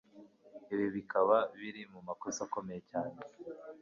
ibi bikaba biri mumakosa akomeye cyane